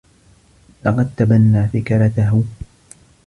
لقد تبنّى فكرته.